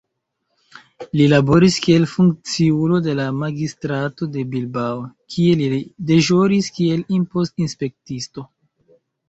Li laboris kiel funkciulo de la magistrato de Bilbao, kie li deĵoris kiel impost-inspektisto.